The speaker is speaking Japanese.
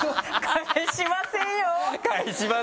帰しませんよ。